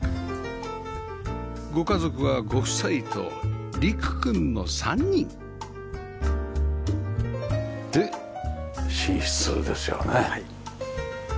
ご家族はご夫妻と理玖くんの３人で寝室ですよね。